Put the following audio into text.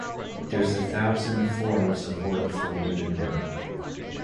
There’s a thousand forms of work for women now.